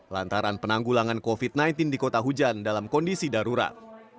lantaran penanggulangan covid sembilan belas di kota hujan dalam kondisi darurat